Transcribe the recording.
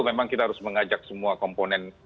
memang kita harus mengajak semua komponen